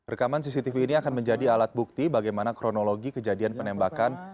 rekaman cctv ini akan menjadi alat bukti bagaimana kronologi kejadian penembakan